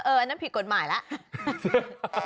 อันนั้นผิดกฎหมายแล้ว